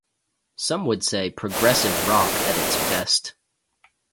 Some would say: "Progressive Rock at its best".